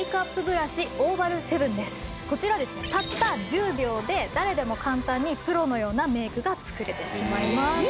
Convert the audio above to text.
こちらですねたった１０秒で誰でも簡単にプロのようなメイクが作れてしまいます。